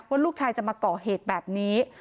ว่าลูกชายจะมาก่อเหตุแบบนี้